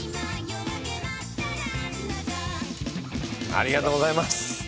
ありがとうございます！